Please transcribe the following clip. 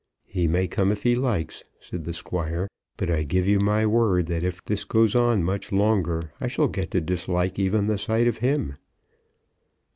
"He may come if he likes," said the Squire, "but I give you my word if this goes on much longer, I shall get to dislike even the sight of him."